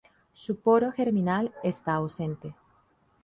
Su poro germinal está ausente.